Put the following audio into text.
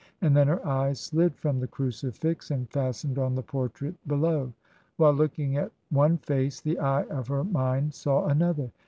And then her eyes slid from the crucifix and fastened on the portrait below. While looking at one face the eye of her mind saw another.